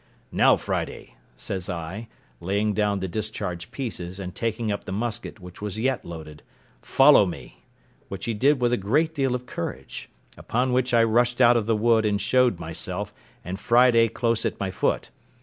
"Now, Friday," says I, laying down the discharged pieces, and taking up the musket which was yet loaded, "follow me," which he did with a great deal of courage; upon which I rushed out of the wood and showed myself, and Friday close at my foot.